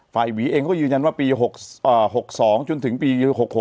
หวีเองเขาก็ยืนยันว่าปี๖๒จนถึงปี๖๖